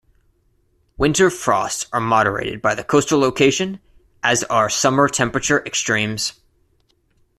Winter frosts are moderated by the coastal location, as are summer temperature extremes.